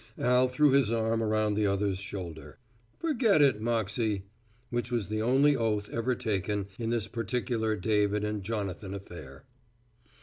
Al threw his arm around the other's shoulder. "Forget it, Moxey." Which was the only oath ever taken in this particular David and Jonathan affair.